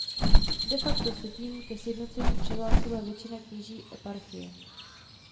De facto se tím ke sjednocení přihlásila většina kněží eparchie.